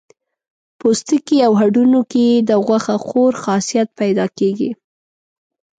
پوستکي او هډونو کې یې د غوښه خور خاصیت پیدا کېږي.